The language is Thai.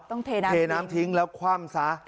เทน้ำเทน้ำทิ้งแล้วคว่ำซะ